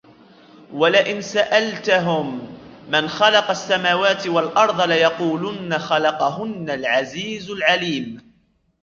وَلَئِنْ سَأَلْتَهُمْ مَنْ خَلَقَ السَّمَاوَاتِ وَالْأَرْضَ لَيَقُولُنَّ خَلَقَهُنَّ الْعَزِيزُ الْعَلِيمُ